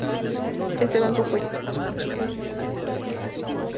Este banco fue llamado Bank One Lafayette.